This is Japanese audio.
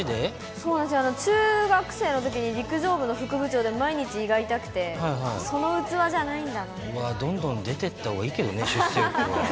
そうなんです、中学生のときに陸上部の副部長で、毎日胃が痛くて、うわ、どんどん出ていったほうがいいけどね、出世欲は。